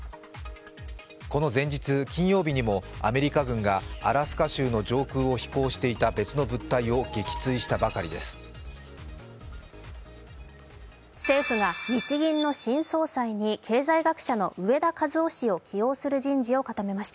この前日、金曜日にもアメリカ軍がアラスカ州の上空を飛行していた別の物体を撃墜したばかりでした。